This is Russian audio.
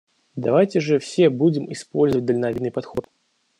Давайте же все будем использовать дальновидный подход.